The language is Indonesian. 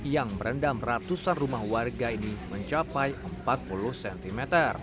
yang merendam ratusan rumah warga ini mencapai empat puluh cm